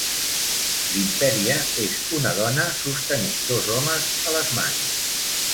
L'Imperia és una dona sostenint dos homes a les mans.